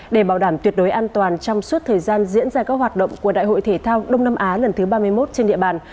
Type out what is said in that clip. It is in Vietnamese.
để bảo đảm tuyệt đối an toàn trong suốt thời gian diễn ra các hoạt động của đại hội thể thao đông nam á lần thứ ba mươi một trên địa bàn